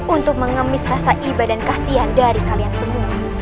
untuk mengemis rasa iba dan kasihan dari kalian semua